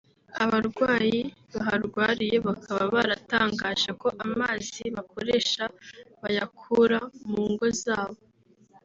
abarwayi baharwariye bakaba baratangaje ko amazi bakoresha bayakura mu ngo zabo